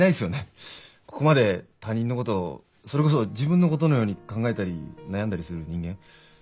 ここまで他人のことをそれこそ自分のことのように考えたり悩んだりする人間。